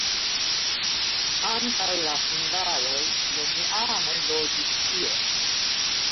Antaŭ la hungaroj romianoj loĝis tie.